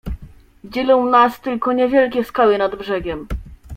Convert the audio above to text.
"Dzielą nas tylko niewielkie skały nad brzegiem."